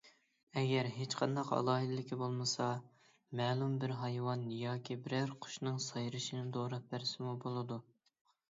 ئەگەر ھېچقانداق ئالاھىدىلىكى بولمىسا، مەلۇم بىر ھايۋان ياكى بىرەر قۇشنىڭ سايرىشىنى دوراپ بەرسىمۇ بولىدۇ.